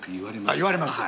あっ言われます？